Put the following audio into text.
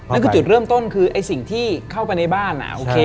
นั่นคือจุดเริ่มต้นคือไอ้สิ่งที่เข้าไปในบ้านโอเค